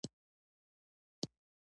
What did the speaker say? د سلیمان غر لپاره طبیعي شرایط مناسب دي.